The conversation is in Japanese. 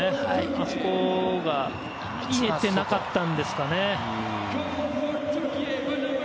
あそこが見えていなかったんですかね。